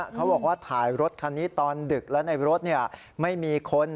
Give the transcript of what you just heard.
เขาบอกว่าถ่ายรถคันนี้ตอนดึกและในรถไม่มีคน